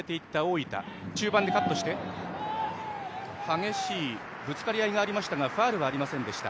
激しいぶつかり合いがありましたがファウルはありませんでした。